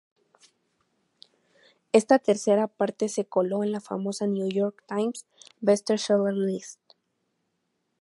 Esta tercera parte se coló en la famosa "New York Times" Best Seller list.